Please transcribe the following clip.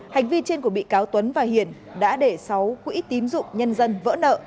hành vi trên của bị cáo tuấn và hiển đã để sáu quỹ tín dụng nhân dân vỡ nợ